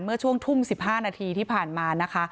เมื่อช่วงทุ่ม๑๕นาทีที่ผ่านมานะคะ